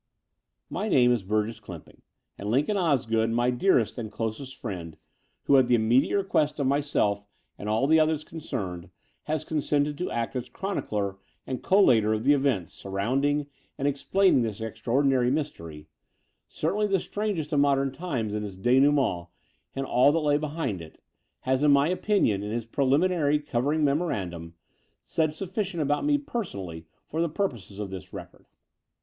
My name is Burgess Clymping; and Lincoln Osgood, my dearest and closest friend, who at the immediate request of myself and all the others concerned, has consented to act as chronicler and collator of the events surrounding and explaining 42 The Door of the Unreal this extraordinary mystery, certainly the strangest of modern times in its denouement and all that lay behind it, has in my opinion, in his preliminary covering memorandum, said suflBcient about me personally for the purposes of this record.